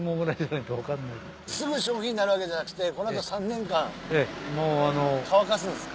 すぐ商品になるわけじゃなくてこの後３年間乾かすんですか？